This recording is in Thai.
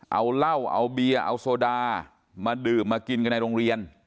เอาเหล้าเอาเบียร์เอาโซดามาดื่มมากินกันในโรงเรียน